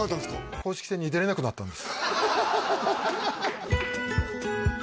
公式戦に出れなくなったんです